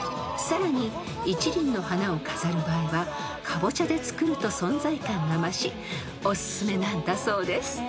［さらに一輪の花を飾る場合はかぼちゃで作ると存在感が増しおすすめなんだそうです］